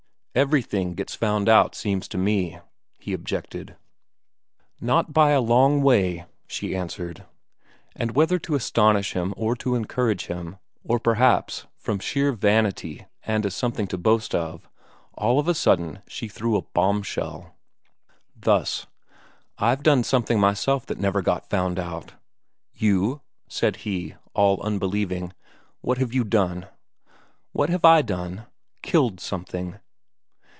"Everything gets found out, seems to me," he objected. "Not by a long way," she answered. And whether to astonish him or to encourage him, or perhaps from sheer vanity and as something to boast of, all of a sudden she threw a bombshell. Thus: "I've done something myself that never got found out." "You?" said he, all unbelieving. "What have you done?" "What have I done? Killed something."